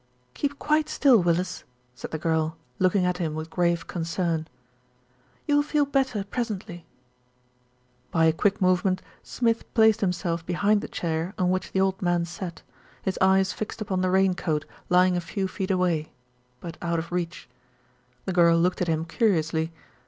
"Keep quite still, Willis," said the girl, looking at him with grave concern. "You will feel better pres ently." By a quick movement Smith placed himself behind the chair on which the old man sat, his eyes fixed upon the rain coat lying a few feet away; but out of reach. The girl looked at him curiously.